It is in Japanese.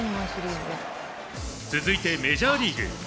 続いてメジャーリーグ。